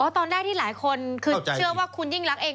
ตอนแรกที่หลายคนคือเชื่อว่าคุณยิ่งรักเอง